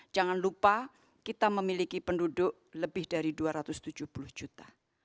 jangan lupa kita memiliki penduduk lebih dari dua ratus tujuh puluh juta